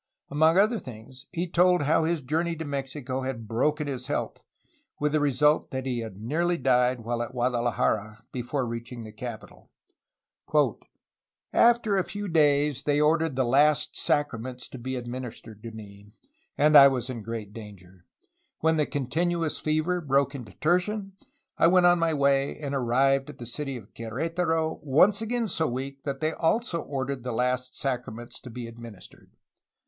Among other things he told how his journey to Mexico had broken his health, with the result that he had nearly died while at Guadalajara before reaching the capital. "After a few days they ordered the last sacraments to be ad ministered to me, and I was in great danger. When the continuous fever broke into tertian, I went on my way, and arrived at the city of Quer^taro once again so weak that they also ordered the last sacraments to be administered.